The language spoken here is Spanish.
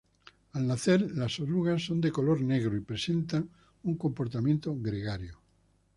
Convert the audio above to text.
Al nacer, las orugas son de color negro y presentan un comportamiento gregario.